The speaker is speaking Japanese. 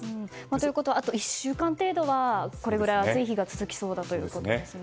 ということはあと１週間程度はこれくらい暑い日が続きそうだということですね。